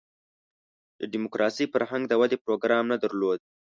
د دیموکراسۍ فرهنګ د ودې پروګرام نه درلود.